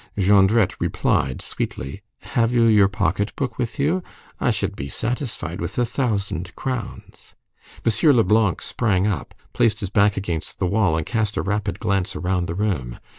Jondrette replied sweetly:— "Have you your pocket book with you? I should be satisfied with a thousand crowns." M. Leblanc sprang up, placed his back against the wall, and cast a rapid glance around the room.